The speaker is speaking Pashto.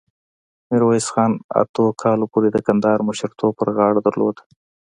میرویس خان اتو کالو پورې د کندهار مشرتوب په غاړه درلود.